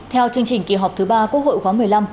theo chương trình kỳ họp thứ ba quốc hội khóa một mươi năm